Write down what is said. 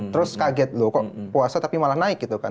terus kaget loh kok puasa tapi malah naik gitu kan